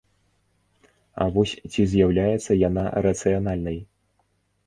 А вось ці з'яўляецца яна рацыянальнай?